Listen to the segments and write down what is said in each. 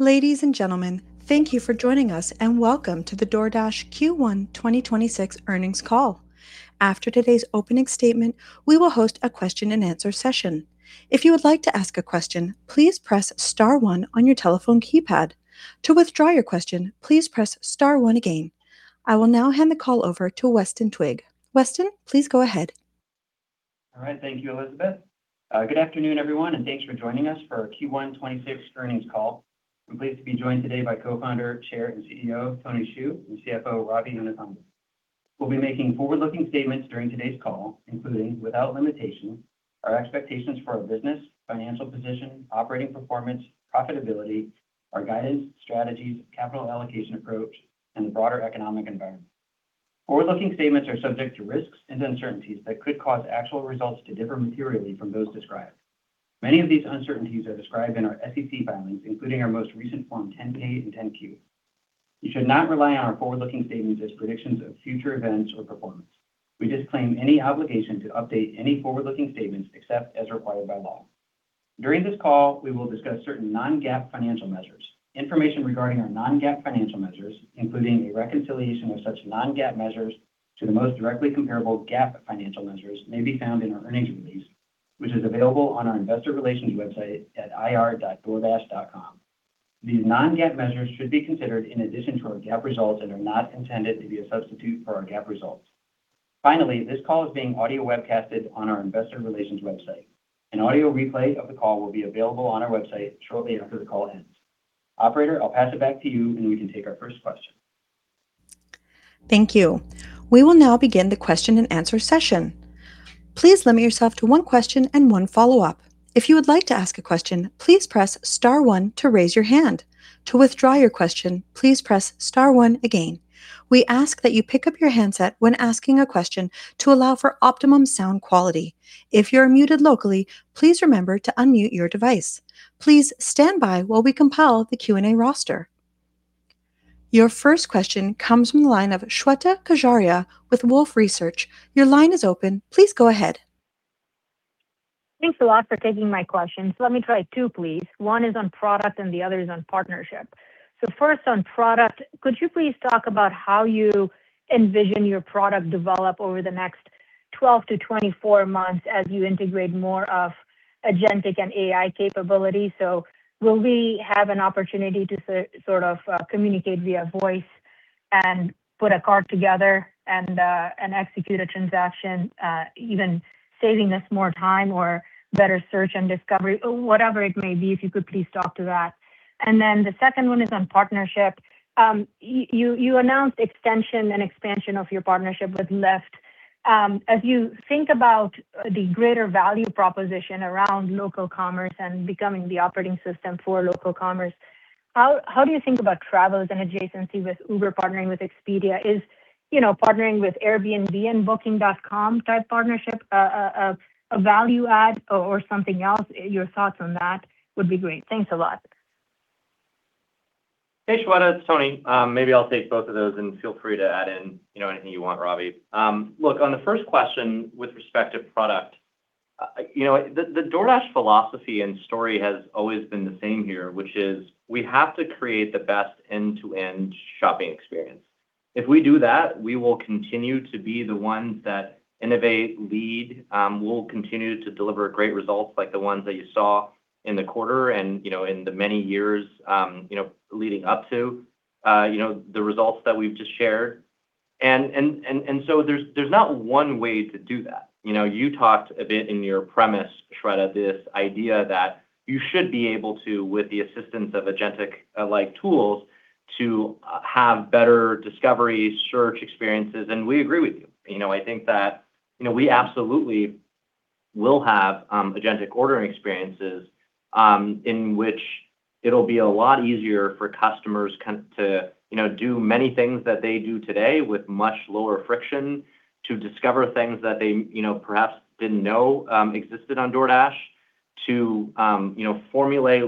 Ladies and gentlemen, thank you for joining us. Welcome to the DoorDash Q1 2026 earnings call. After today's opening statement, we will host a question-and-answer session. If you would like to ask a question, please press star one on your telephone keypad. To withdraw your question, please press star one again. I will now hand the call over to Weston Twigg. Weston, please go ahead. All right. Thank you, Elizabeth. Good afternoon, everyone, and thanks for joining us for our Q1 2026 earnings call. I'm pleased to be joined today by Co-founder, Chair, and CEO, Tony Xu, and CFO, Ravi Inukonda. We'll be making forward-looking statements during today's call, including, without limitation, our expectations for our business, financial position, operating performance, profitability, our guidance, strategies, capital allocation approach, and the broader economic environment. Forward-looking statements are subject to risks and uncertainties that could cause actual results to differ materially from those described. Many of these uncertainties are described in our SEC filings, including our most recent Form 10-K and 10-Q. You should not rely on our forward-looking statements as predictions of future events or performance. We disclaim any obligation to update any forward-looking statements except as required by law. During this call, we will discuss certain non-GAAP financial measures. Information regarding our non-GAAP financial measures, including a reconciliation of such non-GAAP measures to the most directly comparable GAAP financial measures may be found in our earnings release, which is available on our investor relations website at ir.doordash.com. These non-GAAP measures should be considered in addition to our GAAP results and are not intended to be a substitute for our GAAP results. Finally, this call is being audio webcasted on our investor relations website. An audio replay of the call will be available on our website shortly after the call ends. Operator, I'll pass it back to you, and we can take our first question. Thank you. We will now begin the question and answer session. Please limit yourself to one question and one follow-up. If you would like to ask a question, please press star one to raise your hand. To withdraw your question, please press star one again. We ask that you pick up your handset when asking a question to allow for optimum sound quality. If you're muted locally, please remember to unmute your device. Please stand by while we compile the Q&A roster. Your first question comes from the line of Shweta Khajuria with Wolfe Research. Your line is open. Please go ahead. Thanks a lot for taking my questions. Let me try two, please. One is on product and the other is on partnership. First on product, could you please talk about how you envision your product develop over the next 12-24 months as you integrate more of agentic and AI capability? Will we have an opportunity to sort of communicate via voice and put a cart together and execute a transaction, even saving us more time or better search and discovery? Whatever it may be, if you could please talk to that. The second one is on partnership. You announced extension and expansion of your partnership with Lyft. As you think about the greater value proposition around local commerce and becoming the operating system for local commerce, how do you think about travel as an adjacency with Uber partnering with Expedia? Is, you know, partnering with Airbnb and Booking.com type partnership a value add or something else? Your thoughts on that would be great. Thanks a lot. Hey, Shweta, it's Tony. Maybe I'll take both of those and feel free to add in, you know, anything you want, Ravi. Look, on the first question with respect to product, you know, the DoorDash philosophy and story has always been the same here, which is we have to create the best end-to-end shopping experience. If we do that, we will continue to be the ones that innovate, lead, we'll continue to deliver great results like the ones that you saw in the quarter and, you know, in the many years, you know, leading up to, you know, the results that we've just shared. There's not one way to do that. You know, you talked a bit in your premise, Shweta, this idea that you should be able to, with the assistance of agentic, like tools, to have better discovery, search experiences. We agree with you. You know, I think that, you know, we absolutely will have agentic ordering experiences, in which it'll be a lot easier for customers to, you know, do many things that they do today with much lower friction to discover things that they, you know, perhaps didn't know existed on DoorDash to, you know, formulate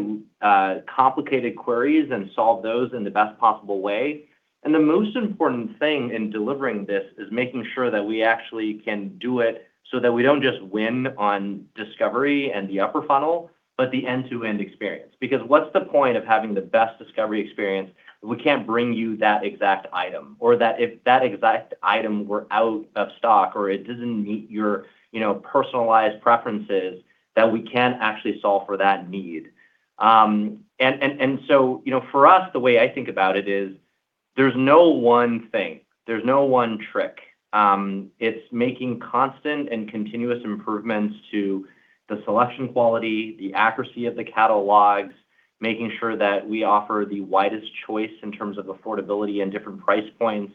complicated queries and solve those in the best possible way. The most important thing in delivering this is making sure that we actually can do it so that we don't just win on discovery and the upper funnel, but the end-to-end experience. What's the point of having the best discovery experience if we can't bring you that exact item? If that exact item were out of stock, or it doesn't meet your, you know, personalized preferences, that we can't actually solve for that need. You know, for us, the way I think about it is there's no one thing. There's no one trick. It's making constant and continuous improvements to the selection quality, the accuracy of the catalogs, making sure that we offer the widest choice in terms of affordability and different price points,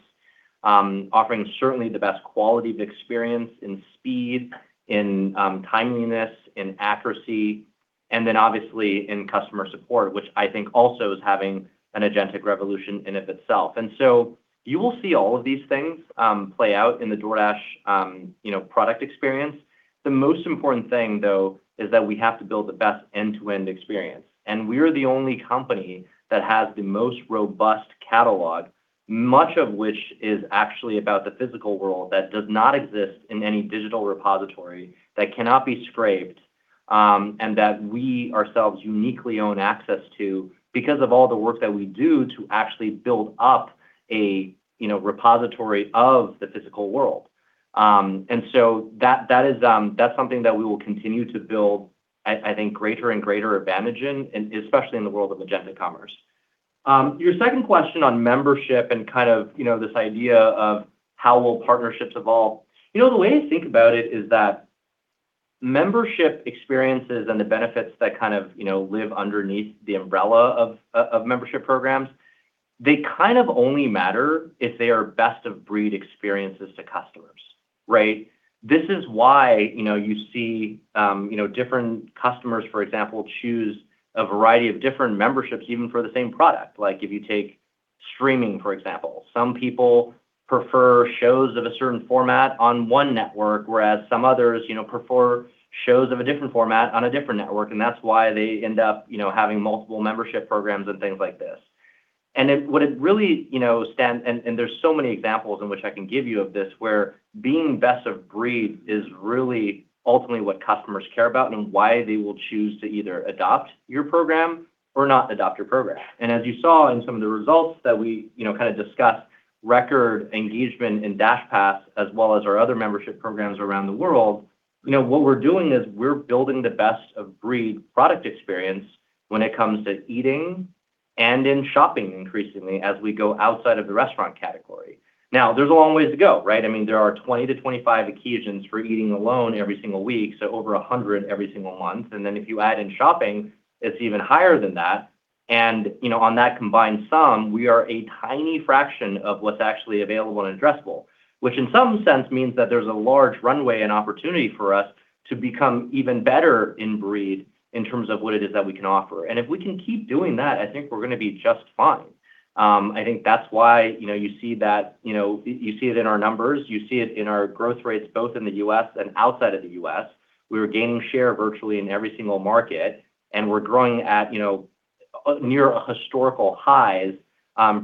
offering certainly the best quality of experience in speed, in timeliness, in accuracy, obviously in customer support, which I think also is having an agentic revolution in it itself. You will see all of these things play out in the DoorDash, you know, product experience. The most important thing, though, is that we have to build the best end-to-end experience. We're the only company that has the most robust catalog. Much of which is actually about the physical world that does not exist in any digital repository that cannot be scraped, and that we ourselves uniquely own access to because of all the work that we do to actually build up a, you know, repository of the physical world. That, that is, that's something that we will continue to build, I think greater and greater advantage in, especially in the world of agentic commerce. Your second question on membership and kind of, you know, this idea of how will partnerships evolve. You know, the way to think about it is that membership experiences and the benefits that kind of, you know, live underneath the umbrella of membership programs, they kind of only matter if they are best-of-breed experiences to customers, right? This is why, you know, you see, you know, different customers, for example, choose a variety of different memberships even for the same product. Like, if you take streaming, for example. Some people prefer shows of a certain format on one network, whereas some others, you know, prefer shows of a different format on a different network, and that's why they end up, you know, having multiple membership programs and things like this. What it really, you know, there's so many examples in which I can give you of this, where being best of breed is really ultimately what customers care about and why they will choose to either adopt your program or not adopt your program. As you saw in some of the results that we, you know, kinda discussed, record engagement in DashPass, as well as our other membership programs around the world, you know, what we're doing is we're building the best of breed product experience when it comes to eating and in shopping increasingly as we go outside of the restaurant category. There's a long way to go, right? I mean, there are 20 to 25 occasions for eating alone every single week, so over 100 every single month. If you add in shopping, it's even higher than that. You know, on that combined sum, we are a tiny fraction of what's actually available and addressable. Which in some sense means that there's a large runway and opportunity for us to become even better in breed in terms of what it is that we can offer. If we can keep doing that, I think we're gonna be just fine. I think that's why, you know, you see that, you know, you see it in our numbers, you see it in our growth rates, both in the U.S. and outside of the U.S. We are gaining share virtually in every single market, and we're growing at, you know, near historical highs,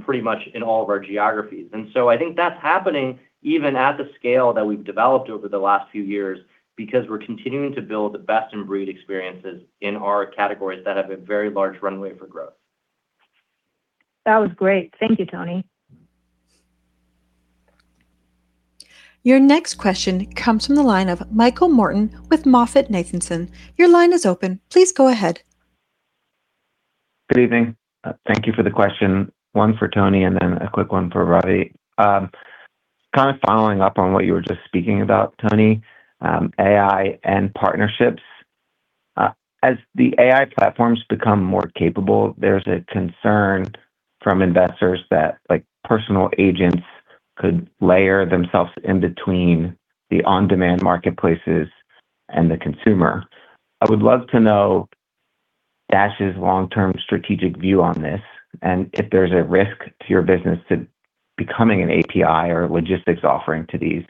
pretty much in all of our geographies. I think that's happening even at the scale that we've developed over the last few years because we're continuing to build the best in breed experiences in our categories that have a very large runway for growth. That was great. Thank you, Tony. Your next question comes from the line of Michael Morton with MoffettNathanson. Your line is open. Please go ahead. Good evening. Thank you for the question. One for Tony, and then a quick one for Ravi. Kind of following up on what you were just speaking about, Tony, AI and partnerships, as the AI platforms become more capable, there's a concern from investors that, like, personal agents could layer themselves in between the on-demand marketplaces and the consumer. I would love to know DoorDash's long-term strategic view on this, and if there's a risk to your business to becoming an API or logistics offering to these,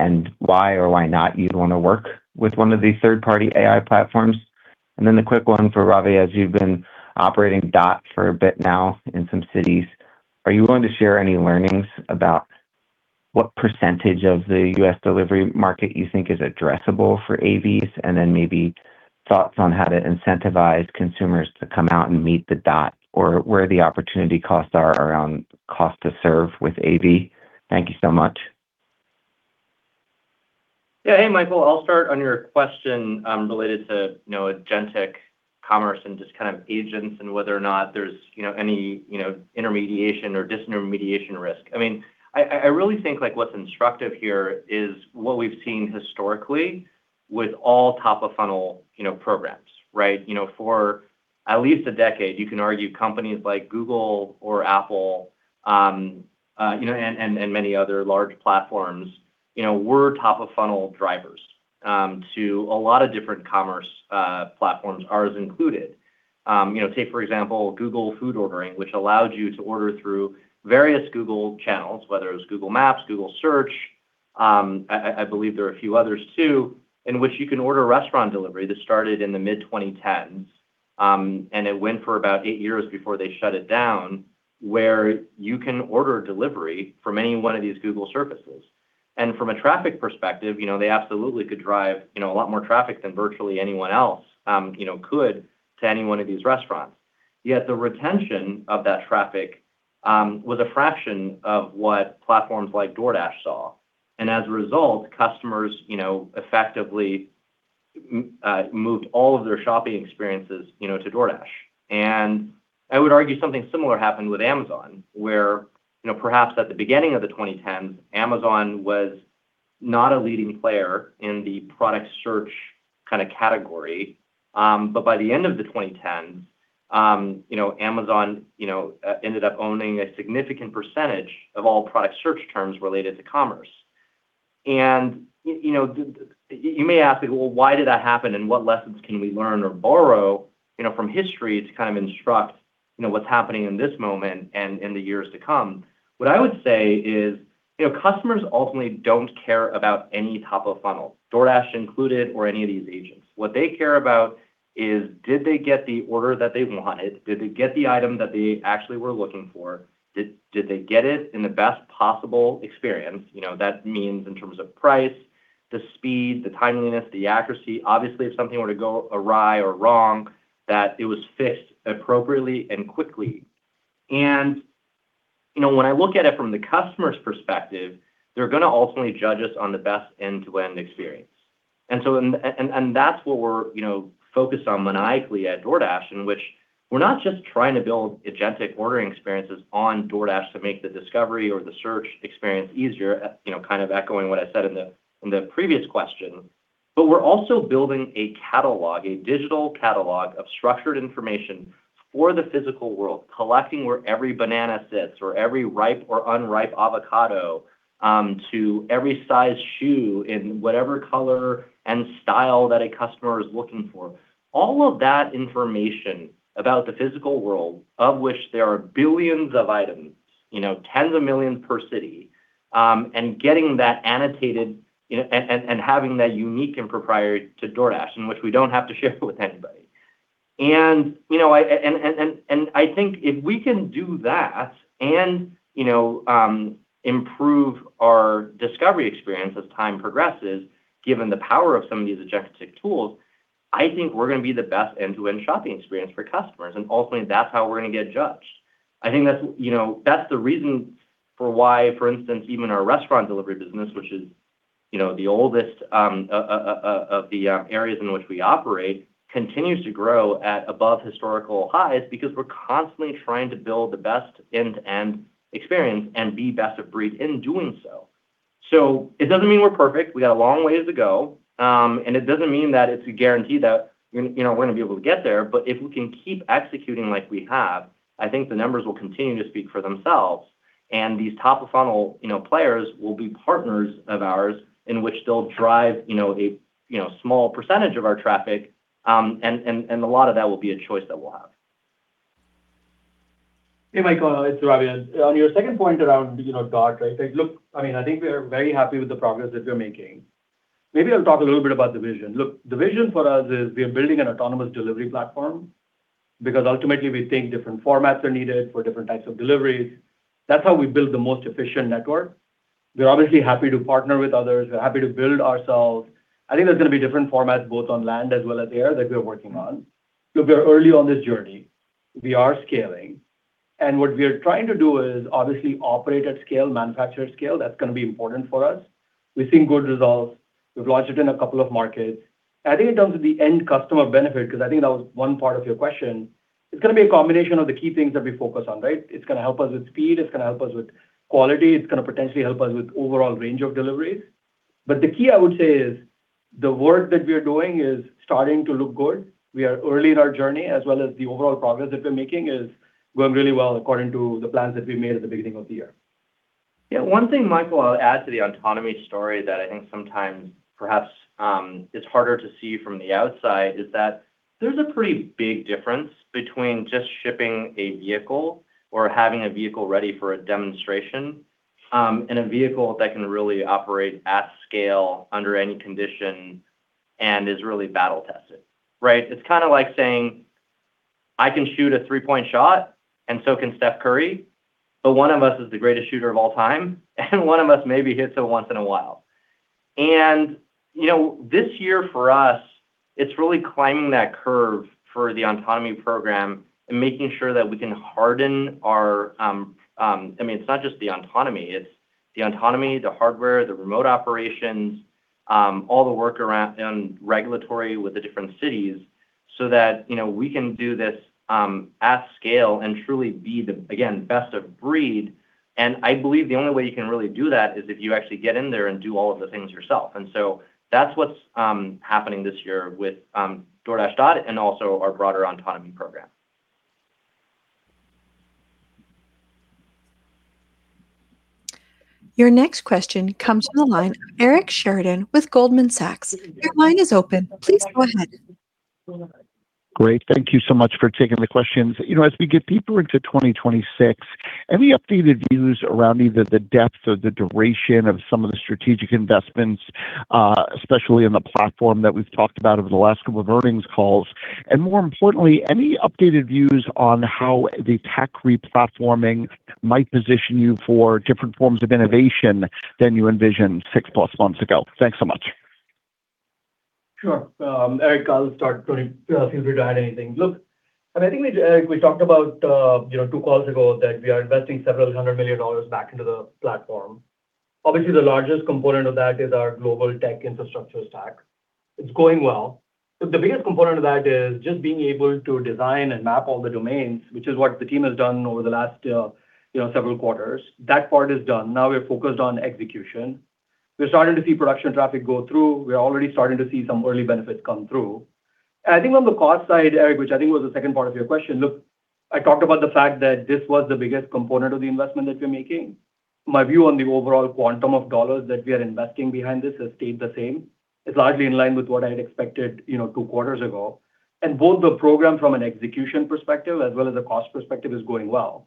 and why or why not you'd want to work with one of these third-party AI platforms. The quick one for Ravi, as you've been operating Dot for a bit now in some cities, are you willing to share any learnings about what percentage of the U.S. delivery market you think is addressable for AVs, and then maybe thoughts on how to incentivize consumers to come out and meet the Dot or where the opportunity costs are around cost to serve with AV? Thank you so much. Yeah. Hey, Michael. I'll start on your question related to, you know, agentic commerce and just kind of agents and whether or not there's, you know, any, you know, intermediation or disintermediation risk. I mean, I, I really think, like, what's instructive here is what we've seen historically with all top-of-funnel, you know, programs, right? You know, for at least a decade, you can argue companies like Google or Apple, you know, and, and many other large platforms, you know, were top-of-funnel drivers to a lot of different commerce platforms, ours included. You know, take for example, Google Food Ordering, which allowed you to order through various Google channels, whether it was Google Maps, Google Search, I, I believe there are a few others too, in which you can order restaurant delivery. This started in the mid-2010s, and it went for about eight years before they shut it down, where you can order delivery from any one of these Google services. From a traffic perspective, you know, they absolutely could drive, you know, a lot more traffic than virtually anyone else, you know, could to any one of these restaurants. Yet the retention of that traffic was a fraction of what platforms like DoorDash saw. As a result, customers, you know, effectively moved all of their shopping experiences, you know, to DoorDash. I would argue something similar happened with Amazon, where, you know, perhaps at the beginning of the 2010s, Amazon was not a leading player in the product search kinda category. By the end of the 2010s, you know, Amazon, you know, ended up owning a significant percentage of all product search terms related to commerce. You, you know, you may ask, well, why did that happen, and what lessons can we learn or borrow, you know, from history to kind of instruct, you know, what's happening in this moment and in the years to come? What I would say is, you know, customers ultimately don't care about any top of funnel, DoorDash included or any of these agents. What they care about is did they get the order that they wanted? Did they get the item that they actually were looking for? Did they get it in the best possible experience? You know, that means in terms of price, the speed, the timeliness, the accuracy. Obviously, if something were to go awry or wrong, that it was fixed appropriately and quickly. You know, when I look at it from the customer's perspective, they're gonna ultimately judge us on the best end-to-end experience. That's what we're, you know, focused on maniacally at DoorDash, in which we're not just trying to build agentic ordering experiences on DoorDash to make the discovery or the search experience easier, you know, kind of echoing what I said in the previous question. We're also building a catalog, a digital catalog of structured information for the physical world, collecting where every banana sits or every ripe or unripe avocado, to every size shoe in whatever color and style that a customer is looking for. All of that information about the physical world, of which there are billions of items, you know, tens of millions per city, and getting that annotated, you know, and having that unique and proprietary to DoorDash in which we don't have to share it with anybody. You know, I think if we can do that and, you know, improve our discovery experience as time progresses, given the power of some of these agentic tools, I think we're gonna be the best end-to-end shopping experience for customers. Ultimately, that's how we're gonna get judged. I think that's, you know, that's the reason for why, for instance, even our restaurant delivery business, which is, you know, the oldest of the areas in which we operate, continues to grow at above historical highs because we're constantly trying to build the best end-to-end experience and be best of breed in doing so. It doesn't mean we're perfect. We got a long ways to go. It doesn't mean that it's a guarantee that, you know, we're gonna be able to get there. If we can keep executing like we have, I think the numbers will continue to speak for themselves. These top of funnel, you know, players will be partners of ours in which they'll drive, you know, a small percentage of our traffic. A lot of that will be a choice that we'll have. Hey, Michael, it's Ravi. On your second point around, you know, Dot, right? Like, look, I mean, I think we are very happy with the progress that we're making. Maybe I'll talk a little bit about the vision. Look, the vision for us is we are building an autonomous delivery platform because ultimately we think different formats are needed for different types of deliveries. That's how we build the most efficient network. We're obviously happy to partner with others. We're happy to build ourselves. I think there's gonna be different formats both on land as well as air that we're working on. Look, we're early on this journey. We are scaling, and what we are trying to do is obviously operate at scale, manufacture at scale. That's gonna be important for us. We've seen good results. We've launched it in a couple of markets. I think in terms of the end customer benefit, 'cause I think that was one part of your question, it's gonna be a combination of the key things that we focus on, right? It's gonna help us with speed, it's gonna help us with quality, it's gonna potentially help us with overall range of deliveries. The key I would say is the work that we are doing is starting to look good. We are early in our journey as well as the overall progress that we're making is going really well according to the plans that we made at the beginning of the year. One thing, Michael, I'll add to the autonomy story that I think sometimes perhaps, is harder to see from the outside, is that there's a pretty big difference between just shipping a vehicle or having a vehicle ready for a demonstration, and a vehicle that can really operate at scale under any condition and is really battle tested, right? It's kind of like saying, "I can shoot a three-point shot, and so can Stephen Curry, but one of us is the greatest shooter of all time, and one of us maybe hits it once in a while." You know, this year for us, it's really climbing that curve for the autonomy program and making sure that we can harden our, I mean, it's not just the autonomy, it's the autonomy, the hardware, the remote operations, all the work around, and regulatory with the different cities so that, you know, we can do this at scale and truly be the, again, best of breed. I believe the only way you can really do that is if you actually get in- there and do all of the things yourself. That's what's happening this year with DoorDash Dot and also our broader autonomy program. Your next question comes from the line of Eric Sheridan with Goldman Sachs. Great. Thank you so much for taking the questions. You know, as we get deeper into 2026, any updated views around either the depth or the duration of some of the strategic investments, especially in the platform that we've talked about over the last couple of earnings calls? More importantly, any updated views on how the tech re-platforming might position you for different forms of innovation than you envisioned 6-plus months ago? Thanks so much. Sure. Eric, I'll start. Tony, feel free to add anything. Look, I mean, I think we talked about two calls ago that we are investing several hundred million dollars back into the platform. Obviously, the largest component of that is our global tech infrastructure stack. It's going well. Look, the biggest component of that is just being able to design and map all the domains, which is what the team has done over the last several quarters. That part is done. Now we're focused on execution. We're starting to see production traffic go through. We're already starting to see some early benefits come through. I think on the cost side, Eric, which I think was the second part of your question. Look, I talked about the fact that this was the biggest component of the investment that we're making. My view on the overall quantum of dollars that we are investing behind this has stayed the same. It's largely in line with what I had expected, you know, two quarters ago. Both the program from an execution perspective as well as a cost perspective is going well.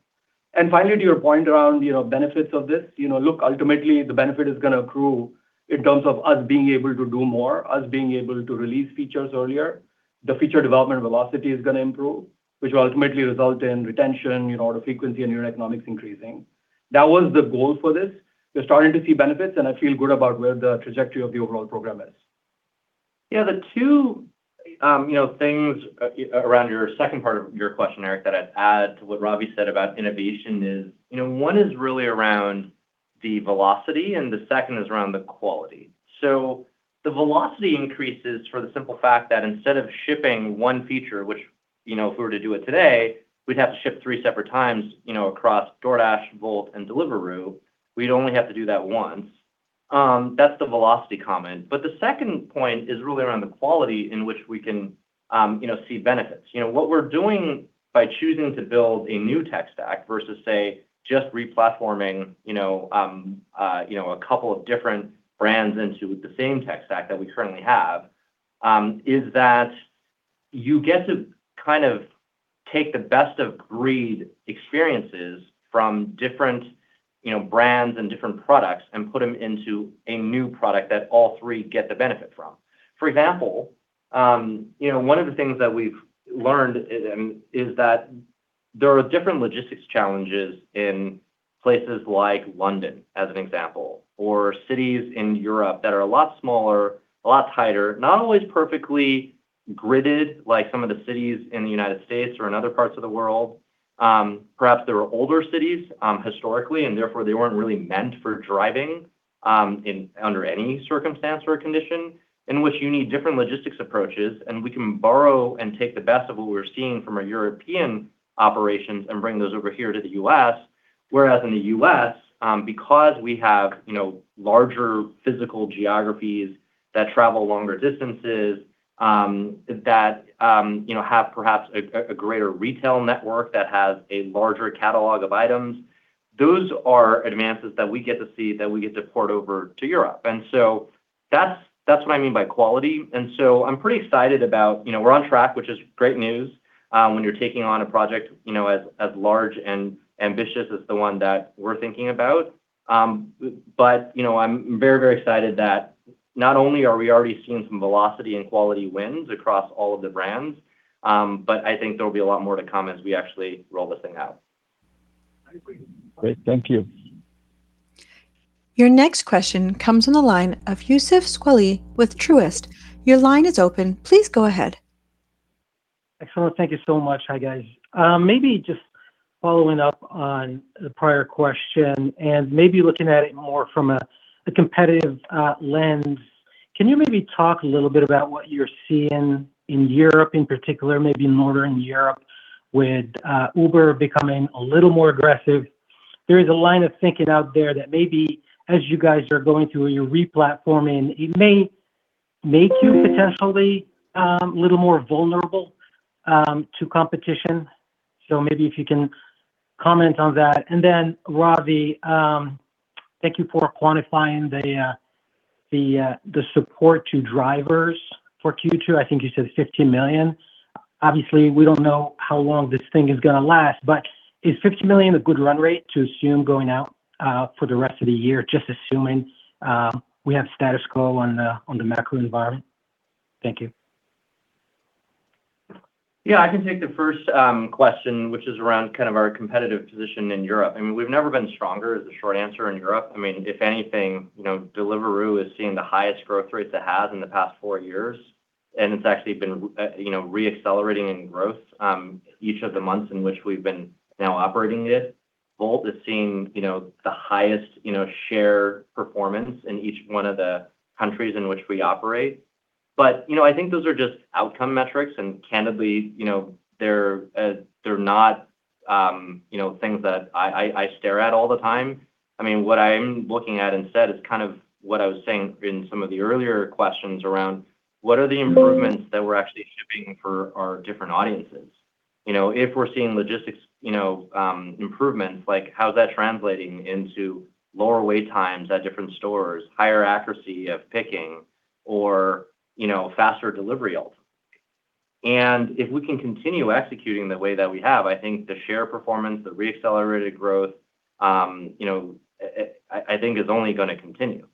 Finally, to your point around, you know, benefits of this, you know, look, ultimately the benefit is gonna accrue in terms of us being able to do more, us being able to release features earlier. The feature development velocity is gonna improve, which will ultimately result in retention, you know, order frequency and unit economics increasing. That was the goal for this. We're starting to see benefits, and I feel good about where the trajectory of the overall program is. Yeah, the two, you know, things around your second part of your question, Eric, that I'd add to what Ravi said about innovation is, you know, one is really around the velocity, and the second is around the quality. The velocity increases for the simple fact that instead of shipping one feature, which, you know, if we were to do it today, we'd have to ship three separate times, you know, across DoorDash, Wolt and Deliveroo, we'd only have to do that once. That's the velocity comment. The second point is really around the quality in which we can, you know, see benefits. You know, what we're doing by choosing to build a new tech stack versus, say, just re-platforming, you know, a couple of different brands into the same tech stack that we currently have, is that you get to kind of take the best of breed experiences from different, you know, brands and different products and put them into a new product that all three get the benefit from. For example, you know, one of the things that we've learned is that there are different logistics challenges in places like London, as an example, or cities in Europe that are a lot smaller, a lot tighter, not always perfectly gridded like some of the cities in the U.S. or in other parts of the world. Perhaps they were older cities, historically, and therefore they weren't really meant for driving, in, under any circumstance or condition, in which you need different logistics approaches, and we can borrow and take the best of what we're seeing from our European operations and bring those over here to the U.S. Whereas in the U.S., because we have, you know, larger physical geographies that travel longer distances, that, you know, have perhaps a greater retail network that has a larger catalog of items, those are advances that we get to see that we get to port over to Europe. That's, that's what I mean by quality. I'm pretty excited about, you know, we're on track, which is great news, when you're taking on a project, you know, as large and ambitious as the one that we're thinking about. You know, I'm very, very excited that not only are we already seeing some velocity and quality wins across all of the brands, but I think there'll be a lot more to come as we actually roll this thing out. I agree. Great. Thank you. Your next question comes on the line of Youssef Squali with Truist. Your line is open. Please go ahead. Excellent. Thank you so much. Hi, guys. Maybe just following up on the prior question and maybe looking at it more from a competitive lens, can you maybe talk a little bit about what you're seeing in Europe in particular, maybe in Northern Europe, with Uber becoming a little more aggressive? There is a line of thinking out there that maybe as you guys are going through your re-platforming, it may make you potentially a little more vulnerable to competition. Maybe if you can comment on that. Ravi, thank you for quantifying the support to drivers for Q2. I think you said $50 million. Obviously, we don't know how long this thing is gonna last, is $50 million a good run rate to assume going out for the rest of the year, just assuming we have status quo on the macro environment? Thank you. Yeah, I can take the first question, which is around kind of our competitive position in Europe. I mean, we've never been stronger, is the short answer, in Europe. I mean, if anything, you know, Deliveroo is seeing the highest growth rates it has in the past four years, and it's actually been, you know, re-accelerating in growth each of the months in which we've been now operating it. Wolt is seeing, you know, the highest, you know, share performance in each one of the countries in which we operate. You know, I think those are just outcome metrics, and candidly, you know, they're not, you know, things that I, I stare at all the time. I mean, what I'm looking at instead is kind of what I was saying in some of the earlier questions around what are the improvements that we're actually shipping for our different audiences. You know, if we're seeing logistics, you know, improvements, like how is that translating into lower wait times at different stores, higher accuracy of picking or, you know, faster delivery ultimately. If we can continue executing the way that we have, I think the share performance, the re-accelerated growth, you know, I think is only gonna continue.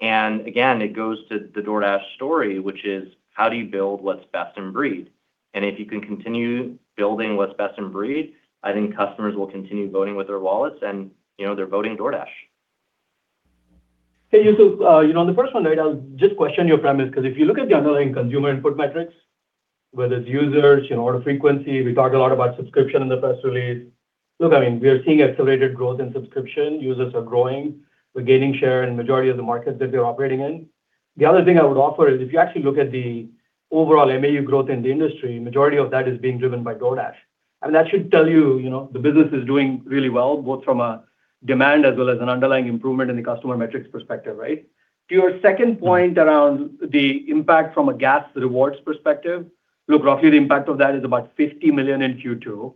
Again, it goes to the DoorDash story, which is: How do you build what's best in breed? If you can continue building what's best in breed, I think customers will continue voting with their wallets and, you know, they're voting DoorDash. Hey, Youssef, you know, on the first one, right, I'll just question your premise, 'cause if you look at the underlying consumer input metrics, whether it's users, you know, order frequency, we talked a lot about subscription in the press release. Look, I mean, we are seeing accelerated growth in subscription. Users are growing. We're gaining share in majority of the markets that we are operating in. The other thing I would offer is, if you actually look at the overall MAU growth in the industry, majority of that is being driven by DoorDash. That should tell you know, the business is doing really well, both from a demand as well as an underlying improvement in the customer metrics perspective, right? To your second point around the impact from a gas rewards perspective, look, roughly the impact of that is about $50 million in Q2.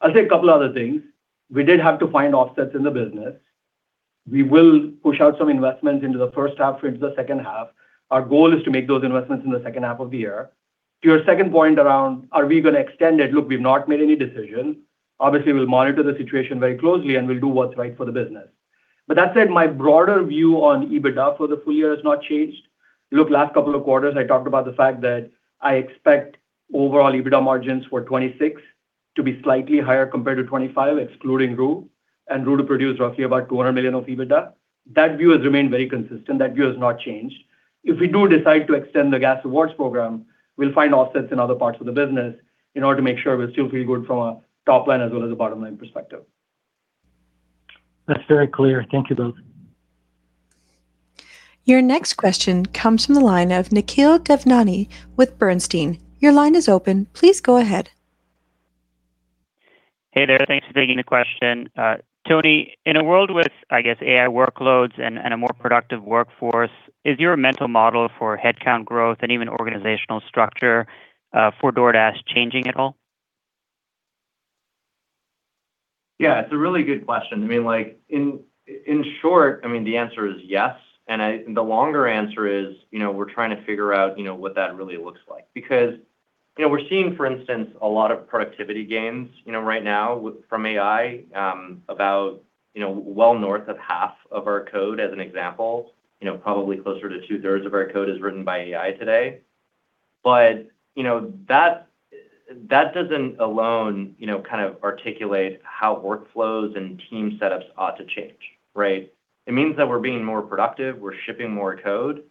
I'll say a couple other things. We did have to find offsets in the business. We will push out some investments into the first half, into the second half. Our goal is to make those investments in the second half of the year. To your second point around, are we gonna extend it? Look, we've not made any decision. Obviously, we'll monitor the situation very closely, and we'll do what's right for the business. That said, my broader view on EBITDA for the full year has not changed. Look, last couple of quarters, I talked about the fact that I expect overall EBITDA margins for 2026 to be slightly higher compared to 2025, excluding Roo, and Roo to produce roughly about $200 million of EBITDA. That view has remained very consistent. That view has not changed. If we do decide to extend the gas rewards program, we'll find offsets in other parts of the business in order to make sure we still feel good from a top line as well as a bottom-line perspective. That's very clear. Thank you both. Your next question comes from the line of Nikhil Devnani with Bernstein. Your line is open. Please go ahead. Hey there. Thanks for taking the question. Tony, in a world with AI workloads and a more productive workforce, is your mental model for headcount growth and even organizational structure for DoorDash changing at all? Yeah, it's a really good question. I mean, like, in short, I mean, the answer is yes. The longer answer is, you know, we're trying to figure out, you know, what that really looks like. Because, you know, we're seeing, for instance, a lot of productivity gains, you know, right now from AI, about, you know, well north of half of our code as an example. You know, probably closer to two-thirds of our code is written by AI today. You know, that doesn't alone, you know, kind of articulate how workflows and team setups ought to change, right? It means that we're being more productive, we're shipping more code.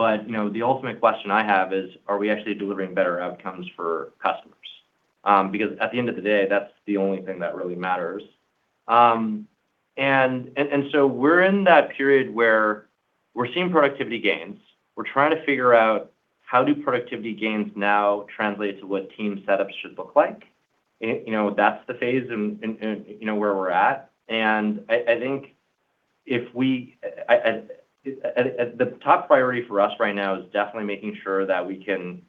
You know, the ultimate question I have is, are we actually delivering better outcomes for customers? Because at the end of the day, that's the only thing that really matters. We're in that period where we're seeing productivity gains. We're trying to figure out how do productivity gains now translate to what team setups should look like. You know, that's the phase and, you know, where we're at. The top priority for us right now is definitely making sure that we can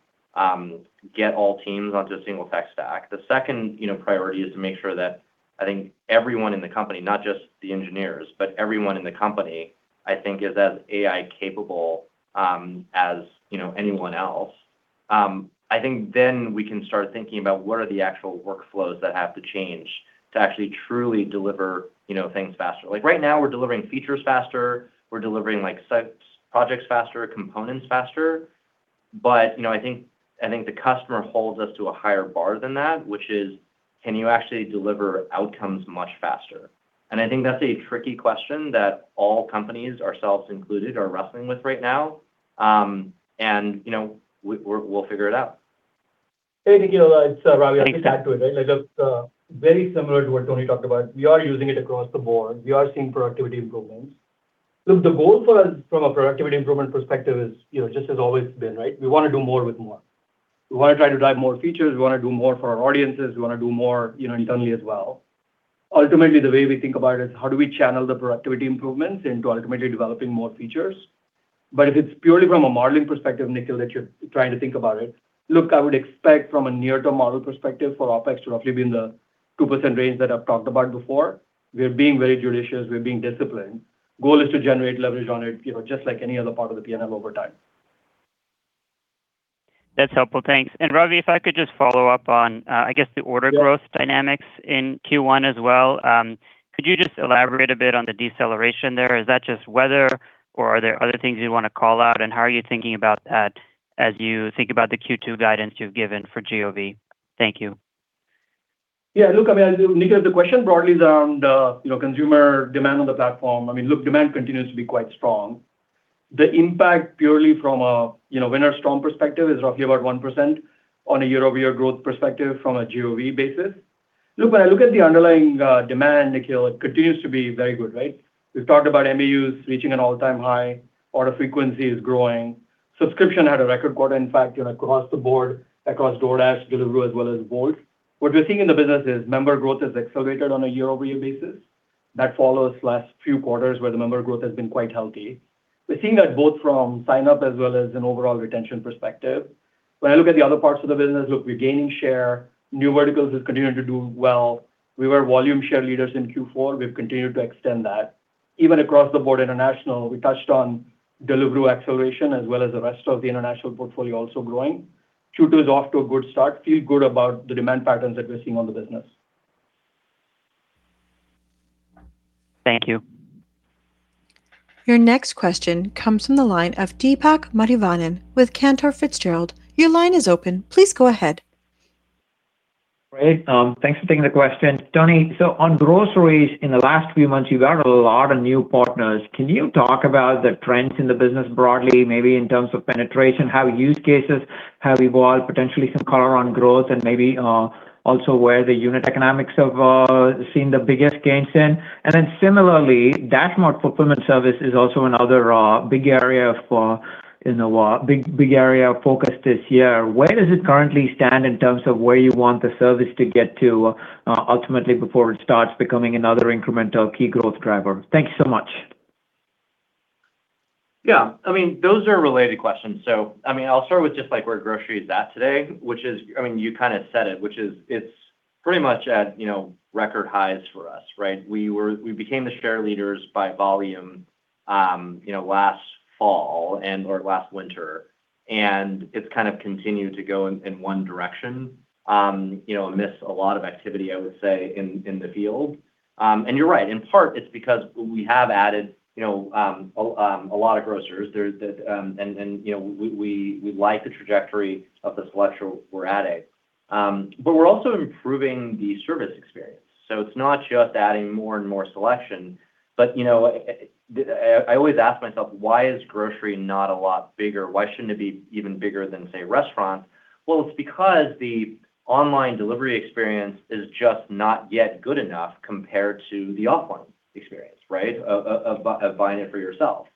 get all teams onto a single tech stack. The second, you know, priority is to make sure that, I think, everyone in the company, not just the engineers, but everyone in the company, I think, is as AI capable as, you know, anyone else. I think we can start thinking about what are the actual workflows that have to change to actually truly deliver, you know, things faster. Like, right now, we're delivering features faster. We're delivering, like, sites, projects faster, components faster. You know, I think the customer holds us to a higher bar than that, which is, can you actually deliver outcomes much faster? You know, we'll figure it out. Hey, Nikhil, it's Ravi. Hey, Ravi. I'll just add to it. Right, like, very similar to what Tony talked about. We are using it across the board. We are seeing productivity improvements. Look, the goal for us from a productivity improvement perspective is, you know, just has always been, right? We want to do more with more. We want to try to drive more features. We want to do more for our audiences. We want to do more, you know, internally as well. Ultimately, the way we think about it is how do we channel the productivity improvements into ultimately developing more features. If it's purely from a modeling perspective, Nikhil, that you're trying to think about it, look, I would expect from a near-term model perspective for OpEx to roughly be in the 2% range that I've talked about before. We're being very judicious. We're being disciplined. Goal is to generate leverage on it, you know, just like any other part of the P&L over time. That's helpful. Thanks. Ravi, if I could just follow up on, I guess the order. Yeah growth dynamics in Q1 as well. Could you just elaborate a bit on the deceleration there? Is that just weather, or are there other things you want to call out? How are you thinking about that as you think about the Q2 guidance you've given for GOV? Thank you. Yeah. Look, I mean, Nikhil, the question broadly is around, you know, consumer demand on the platform. I mean, look, demand continues to be quite strong. The impact purely from a, you know, winter storm perspective is roughly about 1% on a year-over-year growth perspective from a GOV basis. Look, when I look at the underlying demand, Nikhil, it continues to be very good, right? We've talked about MAUs reaching an all-time high. Order frequency is growing. Subscription had a record quarter. In fact, you know, across the board, across DoorDash, Deliveroo, as well as Wolt. What we're seeing in the business is member growth has accelerated on a year-over-year basis. That follows last few quarters where the member growth has been quite healthy. We're seeing that both from sign-up as well as an overall retention perspective. When I look at the other parts of the business, look, we're gaining share. New verticals is continuing to do well. We were volume share leaders in Q4. We've continued to extend that. Across the board international, we touched on Deliveroo acceleration as well as the rest of the international portfolio also growing. Q2 is off to a good start. Feel good about the demand patterns that we're seeing on the business. Thank you. Your next question comes from the line of Deepak Mathivanan with Cantor Fitzgerald. Your line is open. Please go ahead. Great. Thanks for taking the question. Tony, on groceries, in the last few months, you've added a lot of new partners. Can you talk about the trends in the business broadly, maybe in terms of penetration? How use cases have evolved, potentially some color on growth and maybe also where the unit economics have seen the biggest gains in? Similarly, DashMart Fulfillment Services is also another big area for, you know, big area of focus this year. Where does it currently stand in terms of where you want the service to get to, ultimately before it starts becoming another incremental key growth driver? Thank you so much. Yeah, I mean, those are related questions. I'll start with where grocery is at today, which is, you kind of said it, which is it's pretty much at record highs for us, right? We became the share leaders by volume last fall and/or last winter, it's kind of continued to go in one direction. Amidst a lot of activity, I would say in the field. You're right. In part, it's because we have added a lot of grocers. You know, we like the trajectory of the selection we're adding. We're also improving the service experience, so it's not just adding more and more selection. I always ask myself, why is grocery not a lot bigger? Why shouldn't it be even bigger than, say, restaurants? Well, it's because the online delivery experience is just not yet good enough compared to the offline experience, right? Of buying it for yourself.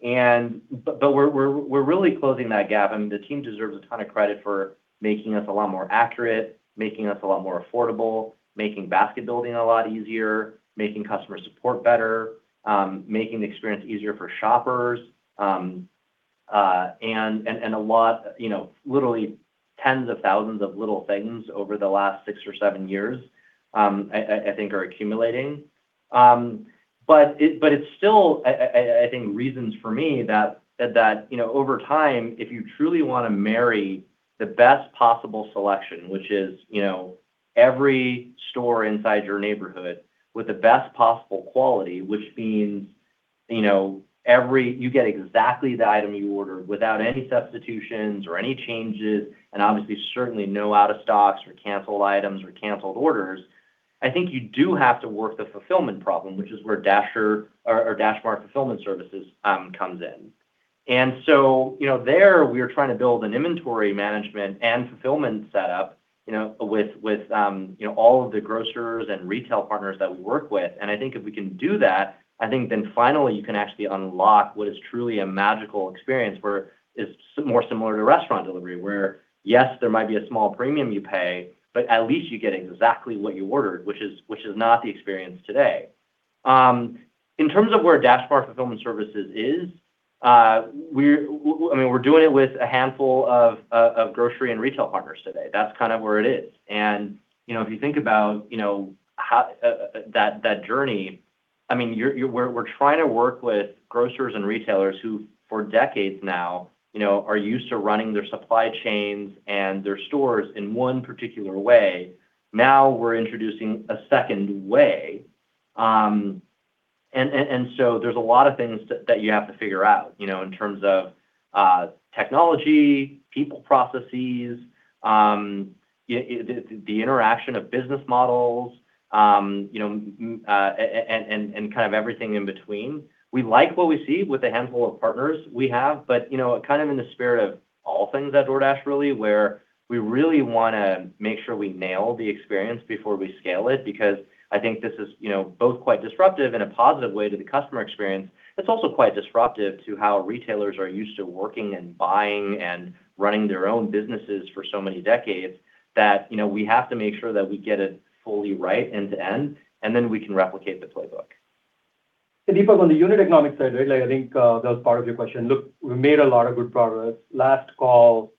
We're really closing that gap, and the team deserves a ton of credit for making us a lot more accurate, making us a lot more affordable, making basket building a lot easier, making customer support better, making the experience easier for shoppers. A lot, you know, literally tens of thousands of little things over the last six or seven years, I think are accumulating. but it's still I think reasons for me that, you know, over time, if you truly want to marry the best possible selection, which is, you know, every store inside your neighborhood with the best possible quality, which means, you know, You get exactly the item you ordered without any substitutions or any changes, and obviously, certainly no out of stocks or canceled items or canceled orders. I think you do have to work the fulfillment problem, which is where Dasher or DashMart Fulfillment Services comes in. You know, there we are trying to build an inventory management and fulfillment setup, you know, with, you know, all of the grocers and retail partners that we work with. I think if we can do that, I think then finally you can actually unlock what is truly a magical experience where it's more similar to restaurant delivery, where, yes, there might be a small premium you pay, but at least you get exactly what you ordered, which is not the experience today. In terms of where DashMart Fulfillment Services is, I mean, we're doing it with a handful of grocery and retail partners today. That's kind of where it is. You know, if you think about, you know, how that journey, I mean, we're trying to work with grocers and retailers who, for decades now, you know, are used to running their supply chains and their stores in one particular way. Now we're introducing a second way. There's a lot of things that you have to figure out, you know, in terms of technology, people, processes, the interaction of business models, you know, and kind of everything in between. We like what we see with the handful of partners we have, but, you know, kind of in the spirit of all things at DoorDash really, where we really wanna make sure we nail the experience before we scale it, because I think this is, you know, both quite disruptive in a positive way to the customer experience. It's also quite disruptive to how retailers are used to working and buying and running their own businesses for so many decades that, you know, we have to make sure that we get it fully right end to end, and then we can replicate the playbook. Deepak, on the unit economics side, right? Like, I think, that was part of your question. Look, we made a lot of good progress. Last call,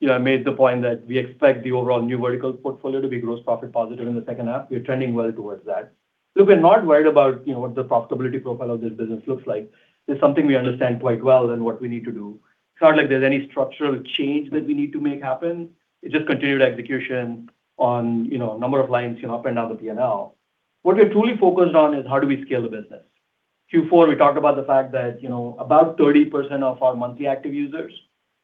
you know, I made the point that we expect the overall new vertical portfolio to be gross profit positive in the second half. We are trending well towards that. Look, we're not worried about, you know, what the profitability profile of this business looks like. It's something we understand quite well and what we need to do. It's not like there's any structural change that we need to make happen. It's just continued execution on, you know, a number of lines, you know, up and down the P&L. What we're truly focused on is how do we scale the business. Q4, we talked about the fact that, you know, about 30% of our monthly active users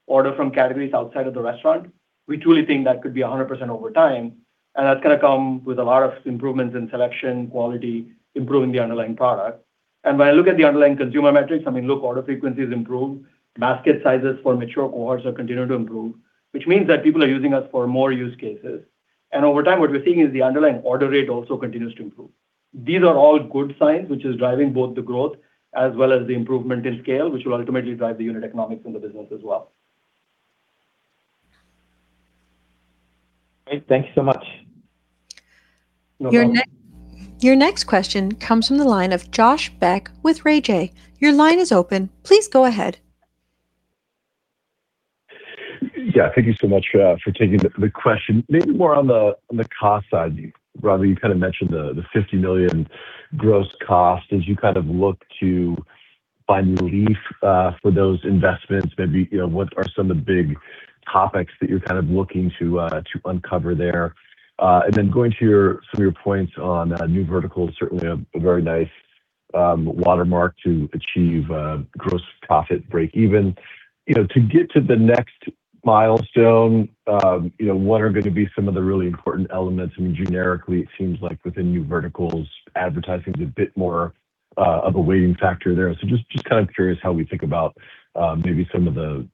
order from categories outside of the restaurant. We truly think that could be 100% over time, and that's gonna come with a lot of improvements in selection, quality, improving the underlying product. When I look at the underlying consumer metrics, I mean, look, order frequency is improved. Basket sizes for mature cohorts are continuing to improve, which means that people are using us for more use cases. Over time, what we're seeing is the underlying order rate also continues to improve. These are all good signs, which is driving both the growth as well as the improvement in scale, which will ultimately drive the unit economics in the business as well. Great. Thank you so much. No problem. Your next question comes from the line of Josh Beck with Raymond James. Your line is open. Please go ahead. Thank you so much for taking the question. Maybe more on the cost side, Ravi, you kind of mentioned the $50 million gross cost. As you kind of look to find relief for those investments, maybe, you know, what are some of the big topics that your kind of looking to uncover there? Then going to your, some of your points on new verticals, certainly a very nice watermark to achieve gross profit breakeven. You know, to get to the next milestone, you know, what are going to be some of the really important elements? I mean, generically, it seems like within new verticals, advertising is a bit more of a weighting factor there. Just kind of curious how we think about maybe some of the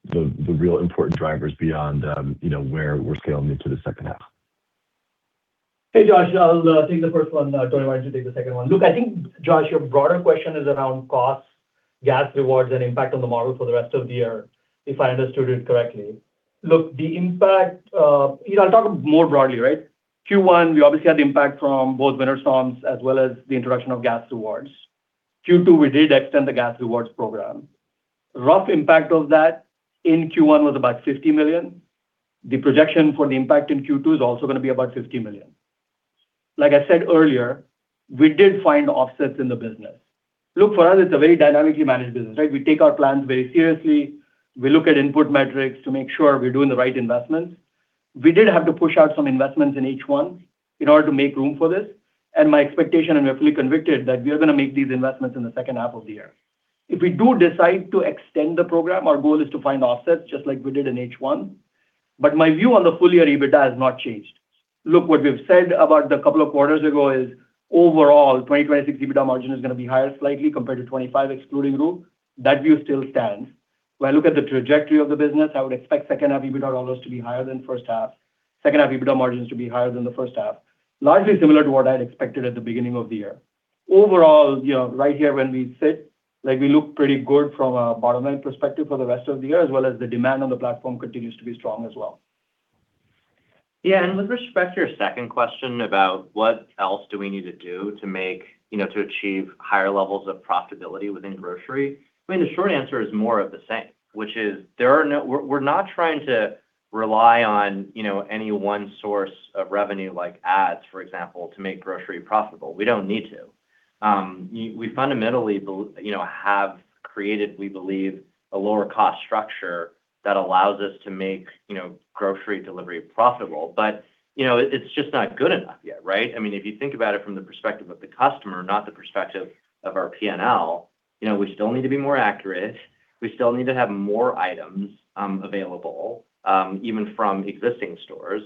real important drivers beyond, you know, where we're scaling into the second half. Hey, Josh. I'll take the first one. Tony, why don't you take the second one? Look, I think, Josh, your broader question is around costs, gas rewards, and impact on the model for the rest of the year, if I understood it correctly. Look, the impact. You know, I'll talk more broadly, right? Q1, we obviously had the impact from both winter storms as well as the introduction of gas rewards. Q2, we did extend the gas rewards program. Rough impact of that in Q1 was about $50 million. The projection for the impact in Q2 is also going to be about $50 million. Like I said earlier, we did find offsets in the business. Look, for us, it's a very dynamically managed business, right? We take our plans very seriously. We look at input metrics to make sure we're doing the right investments. We did have to push out some investments in H1 in order to make room for this, and my expectation, and we're fully convicted, that we are going to make these investments in the second half of the year. If we do decide to extend the program, our goal is to find offsets just like we did in H1. My view on the full-year EBITDA has not changed. Look, what we've said about the couple of quarters ago is overall, 2026 EBITDA margin is going to be higher slightly compared to 2025, excluding Roo. That view still stands. When I look at the trajectory of the business, I would expect second half EBITDA dollars to be higher than first half. Second half EBITDA margins to be higher than the first half. Largely similar to what I had expected at the beginning of the year. Overall, you know, right here when we sit, like we look pretty good from a bottom-line perspective for the rest of the year, as well as the demand on the platform continues to be strong as well. Yeah, with respect to your second question about what else do we need to do to make you know, to achieve higher levels of profitability within grocery. I mean, the short answer is more of the same, which is We're not trying to rely on, you know, any one source of revenue like ads, for example, to make grocery profitable. We don't need to. We fundamentally have created, we believe, a lower cost structure that allows us to make, you know, grocery delivery profitable. You know, it's just not good enough yet right? I mean, if you think about it from the perspective of the customer, not the perspective of our P&L, you know, we still need to be more accurate. We still need to have more items available even from existing stores.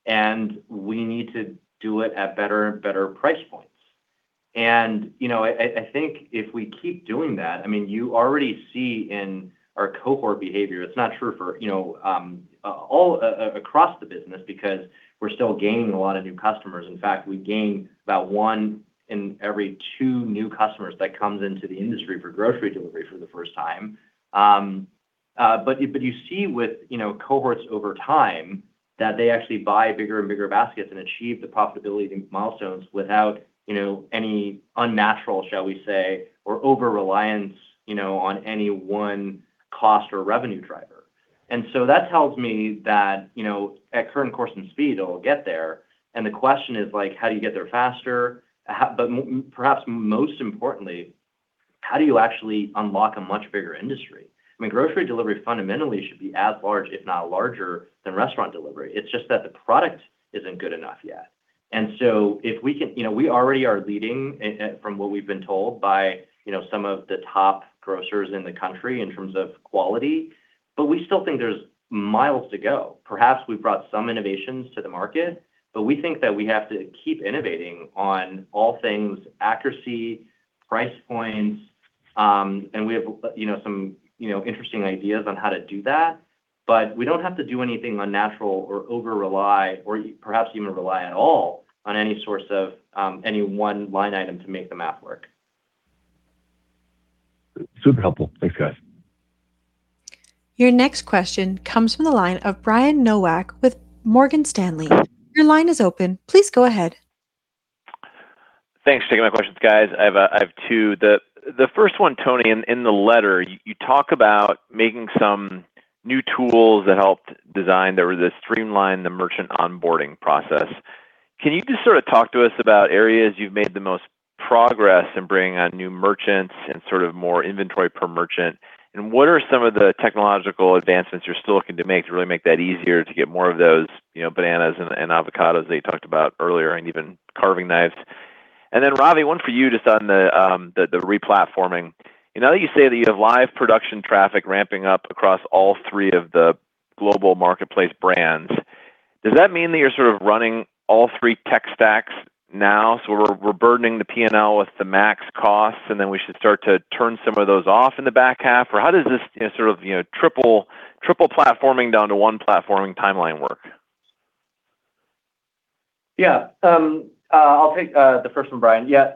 We need to do it at better price points. You know, I, I think if we keep doing that, I mean, you already see in our cohort behavior, it's not true for, you know, across the business because we're still gaining a lot of new customers. In fact, we gain about one in every two new customers that comes into the industry for grocery delivery for the first time. You see with, you know, cohorts over time that they actually buy bigger and bigger baskets and achieve the profitability milestones without, you know, any unnatural, shall we say, or over-reliance, you know, on any one cost or revenue driver. That tells me that, you know, at current course and speed, it'll get there. The question is like; how do you get there faster? Perhaps most importantly, how do you actually unlock a much bigger industry? I mean, grocery delivery fundamentally should be as large, if not larger, than restaurant delivery. It's just that the product isn't good enough yet. You know, we already are leading from what we've been told by, you know, some of the top grocers in the country in terms of quality, but we still think there's miles to go. Perhaps we've brought some innovations to the market, but we think that we have to keep innovating on all thing's accuracy, price points, and we have, you know, some, you know, interesting ideas on how to do that. We don't have to do anything unnatural or over-rely or perhaps even rely at all on any source of, any one-line item to make the math work. Super helpful. Thanks, guys. Your next question comes from the line of Brian Nowak with Morgan Stanley. Thanks for taking my questions, guys. I have two. The first one, Tony, in the letter, you talk about making some new tools that helped design that would just streamline the merchant onboarding process. Can you just sort of talk to us about areas you've made the most progress in bringing on new merchants and sort of more inventory per merchant? What are some of the technological advancements you're still looking to make to really make that easier to get more of those, you know, bananas and avocados that you talked about earlier, and even carving knives? Then, Ravi, one for you just on the re-platforming. You know, you say that you have live production traffic ramping up across all three of the global marketplace brands. Does that mean that you're sort of running all three tech stacks now, so we're burdening the P&L with the max costs, and then we should start to turn some of those off in the back half? How does this sort of, you know, triple platforming down to one platforming timeline work? Yeah. I'll take the first one, Brian. Yeah.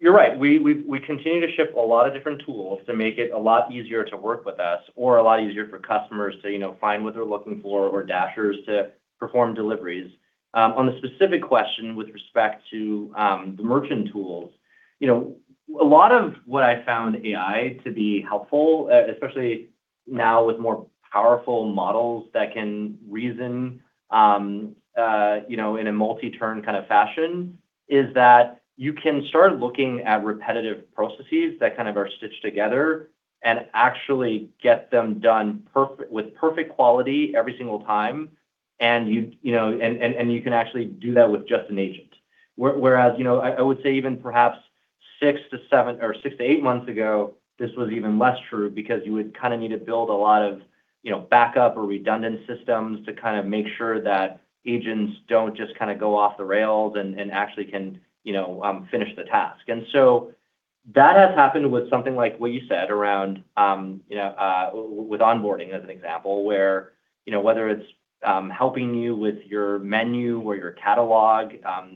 You're right. We continue to ship a lot of different tools to make it a lot easier to work with us or a lot easier for customers to, you know, find what they're looking for or Dashers to perform deliveries. On the specific question with respect to the merchant tools, you know, a lot of what I found AI to be helpful, especially now with more powerful models that can reason, you know, in a multi-turn kind of fashion, is that you can start looking at repetitive processes that kind of are stitched together and actually get them done perfect with perfect quality every single time, and you know, and you can actually do that with just an agent. Whereas, you know, I would say even perhaps six to seven or six to eight months ago, this was even less true because you would kind of need to build a lot of, you know, backup or redundant systems to kind of make sure that agents don't just kind of go off the rails and actually can, you know, finish the task. That has happened with something like what you said around, you know, with onboarding as an example, where, you know, whether it's helping you with your menu or your catalog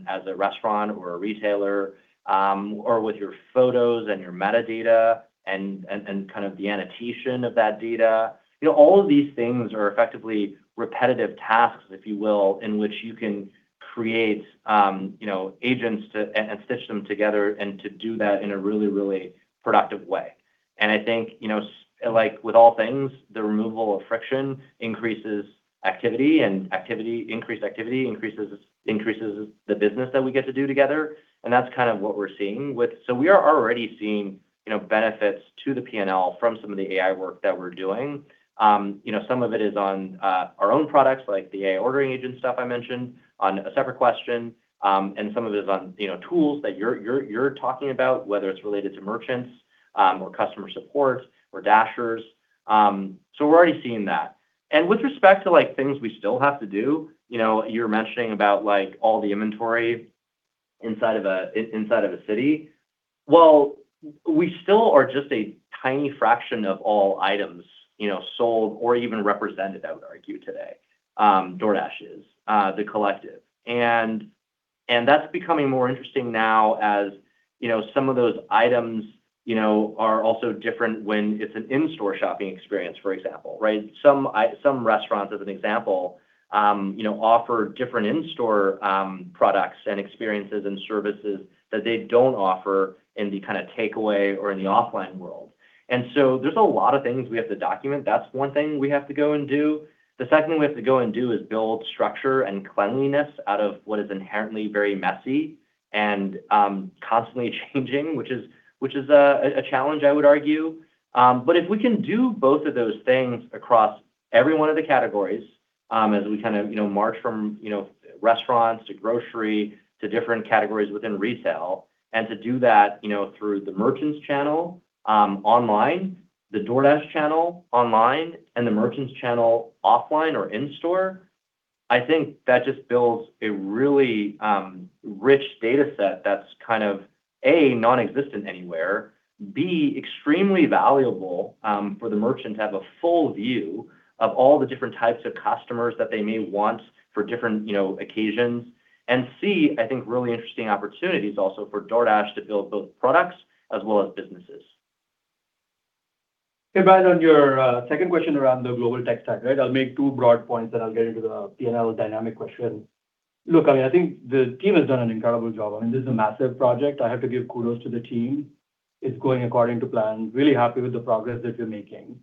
as a restaurant or a retailer, or with your photos and your metadata and, and kind of the annotation of that data. You know, all of these things are effectively repetitive tasks, if you will, in which you can create, you know, agents to, and stitch them together and to do that in a really productive way. I think, you know, like with all things, the removal of friction increases activity, and increased activity increases the business that we get to do together. We are already seeing, you know, benefits to the P&L from some of the AI work that we're doing. You know, some of it is on our own products, like the AI ordering agent stuff I mentioned on a separate question. And some of it is on, you know, tools that you're talking about, whether it's related to merchants, or customer support or dashers. We're already seeing that. With respect to like things, we still have to do, you know, you were mentioning about like all the inventory inside of a city. Well, we still are just a tiny fraction of all items, you know, sold or even represented, I would argue today, DoorDash is the collective. That's becoming more interesting now as, you know, some of those items, you know, are also different when it's an in-store shopping experience, for example, right? Some restaurants, as an example, you know, offer different in-store products and experiences and services that they don't offer in the kind of takeaway or in the offline world. There's a lot of things we have to document. That's one thing we have to go and do. The second thing we have to go and do is build structure and cleanliness out of what is inherently very messy and constantly changing, which is a challenge, I would argue. If we can do both of those things across every one of the categories, as we kind of march from restaurants to grocery to different categories within retail, and to do that through the merchants channel online, the DoorDash channel online, and the merchants channel offline or in-store, I think that just builds a really rich data set that's kind of, A, nonexistent anywhere, B, extremely valuable for the merchant to have a full view of all the different types of customers that they may want for different occasions, and C, I think really interesting opportunities also for DoorDash to build both products as well as businesses. Hey, Brian, on your second question around the global tech stack, right? I'll make two broad points, then I'll get into the P&L dynamic question. Look, I mean, I think the team has done an incredible job. I mean, this is a massive project. I have to give kudos to the team. It's going according to plan. Really happy with the progress that we're making.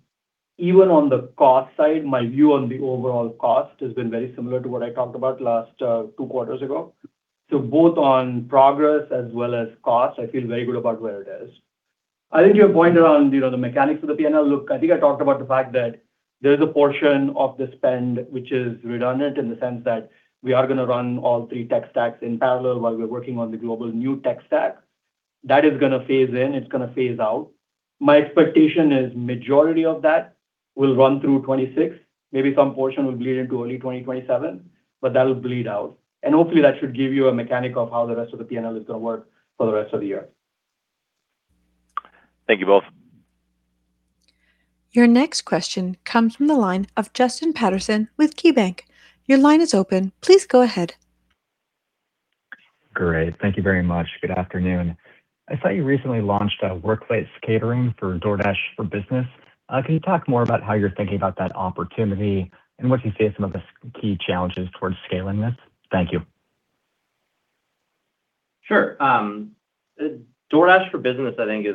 Even on the cost side, my view on the overall cost has been very similar to what I talked about last, two quarters ago. Both on progress as well as cost, I feel very good about where it is. I think your point around, you know, the mechanics of the P&L, look, I think I talked about the fact that there's a portion of the spend which is redundant in the sense that we are going to run all three tech stacks in parallel while we're working on the global new tech stack. That is going to phase in, it's going to phase out. My expectation is majority of that will run through 2026. Maybe some portion will bleed into early 2027, but that will bleed out. Hopefully, that should give you a mechanic of how the rest of the P&L is going to work for the rest of the year. Thank you both. Your next question comes from the line of Justin Patterson with KeyBanc. Your line is open. Please go ahead. Great. Thank you very much. Good afternoon. I saw you recently launched a workplace catering for DoorDash for Business. Can you talk more about how you're thinking about that opportunity and what you see as some of the key challenges towards scaling this? Thank you. Sure. DoorDash for Business, I think